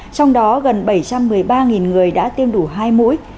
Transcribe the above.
trong đó gần bảy trăm một mươi ba người đã tiêm đủ hai mũi